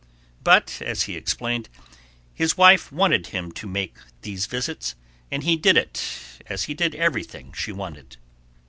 But, as he explained, his wife wanted him to make these visits, and he did it, as he did everything she wanted.